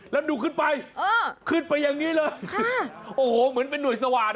แล้วดูขึ้นไปขึ้นไปอย่างนี้เลยโอ้โหเหมือนเป็นหน่วยสวาส